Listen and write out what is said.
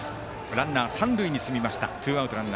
ランナー、三塁に進みました。